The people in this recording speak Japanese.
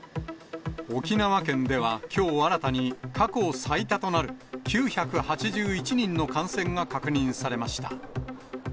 沖縄県では、きょう新たに過去最多となる９８１人の感染が確認されました。